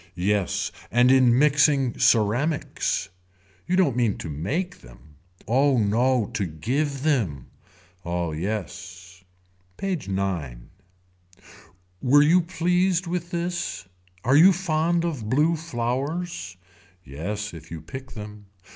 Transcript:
Yes. And in mixing ceramics. You don't mean to make them. Oh no to give them. Oh yes. PAGE IX. Were you pleased with this. Are you fond of blue flowers. Yes if you pick them.